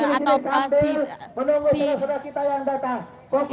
kita yang datang